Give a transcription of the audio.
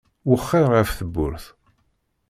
Wexxer ɣef tewwurt.